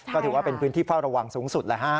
ก็ถือว่าเป็นพื้นที่เฝ้าระวังสูงสุด